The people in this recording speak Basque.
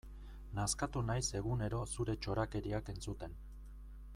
Nazkatu naiz egunero zure txorakeriak entzuten.